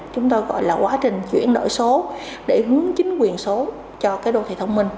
chúng tôi gọi là quá trình chuyển đổi số để hướng chính quyền số cho cái đô thị thông minh